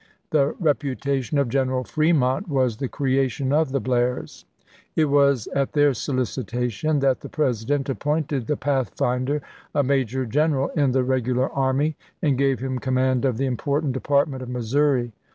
The reputation of General Fremont was the creation of the Blairs. 334 ABRAHAM LINCOLN chap. xv. It was at their solicitation that the President ap pointed the Pathfinder a major general in the regu lar army, and gave him command of the important department of Missouri.